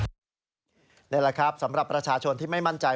จากสาธารณ์บุญและก็มีเบอร์วัดอยู่